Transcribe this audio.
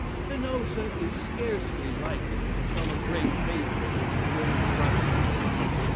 Spinoza is scarcely likely to become a great favorite with the "Woman's Rights Convention."